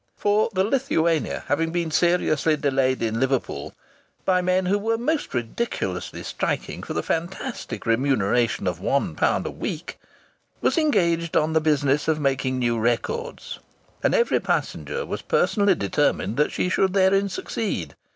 For the Lithuania, having been seriously delayed in Liverpool by men who were most ridiculously striking for the fantastic remuneration of one pound a week, was engaged on the business of making new records. And every passenger was personally determined that she should therein succeed.